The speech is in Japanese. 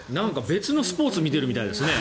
別のスポーツを見ているみたいですね。